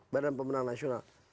badan pemenang nasional